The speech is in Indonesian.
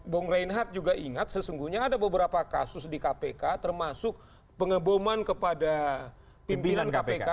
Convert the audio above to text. bung reinhardt juga ingat sesungguhnya ada beberapa kasus di kpk termasuk pengeboman kepada pimpinan kpk